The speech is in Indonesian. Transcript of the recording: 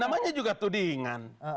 namanya juga tudingan